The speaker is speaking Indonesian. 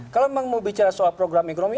kalau memang mau bicara soal program ekonomi